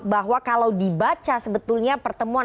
bahwa kalau dibaca sebetulnya pertemuan